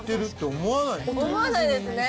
思えないですね。